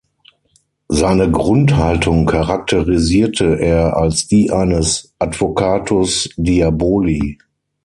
Seine Grundhaltung charakterisierte er als die eines Advocatus Diaboli.